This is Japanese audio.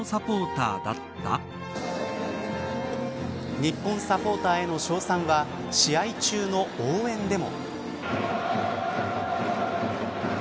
日本サポーターへの称賛は試合中の応援でも。